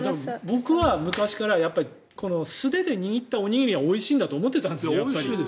僕は昔から素手で握ったおにぎりがおいしいと思ってたんです。